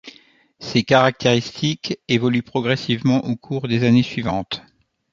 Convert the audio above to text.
Ses caractéristiques évoluent progressivement au cours des années suivantes.